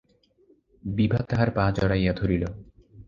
বিভা তাঁহার পা জড়াইয়া ধরিল।